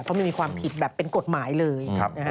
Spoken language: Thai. เพราะไม่มีความผิดแบบเป็นกฎหมายเลย